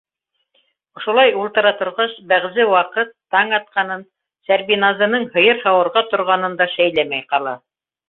Ошолай ултыра торғас, бәғзе ваҡыт таң атҡанын, Сәрбиназының һыйыр һауырға торғанын да шәйләмәй ҡала.